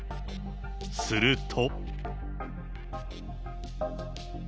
すると。